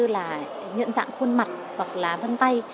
dạng khuôn mặt hoặc là vân tay